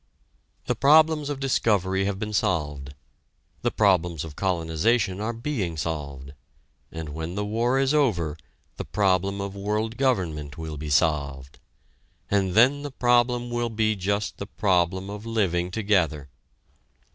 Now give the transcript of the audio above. The problems of discovery have been solved; the problems of colonization are being solved, and when the war is over the problem of world government will be solved; and then the problem will be just the problem of living together.